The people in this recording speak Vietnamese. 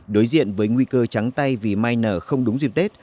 đối diện với nguy cơ trắng tay vì mai nở không đúng dịp tết